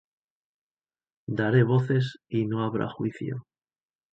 Daré voces, y no habrá juicio.